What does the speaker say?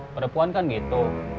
perepuan kan gitu